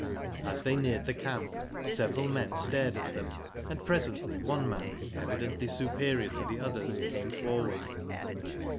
As they neared the camp, several men stared at them, and presently one man, evidently supe rior to the others, came forward.